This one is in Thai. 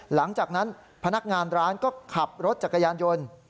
หลังจากนั้นพนักงานร้านก็ขับรถจักรยานยนต์